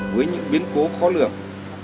với những biến cố khó lượng